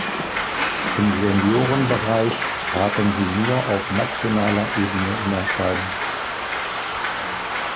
Im Seniorenbereich traten sie nur auf nationaler Ebene in Erscheinung.